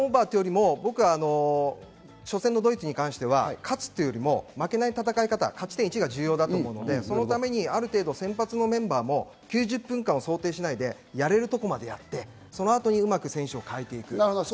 僕は初戦のドイツに関しては、勝つというよりも負けない戦い方、勝ち点１が重要だと思うので、そのためにある程度、先発メンバーも９０分間想定しないで、やれるところまでやって、そのあとうまく選手を代えていく。